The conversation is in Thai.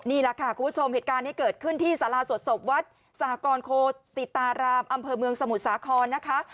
นี่แหละค่ะคุณผู้ชมเหตุการณ์นี้เกิดขึ้นที่สาราสวดศพวัดสหกรโคติตารามอำเภอเมืองสมุทรสาครนะคะ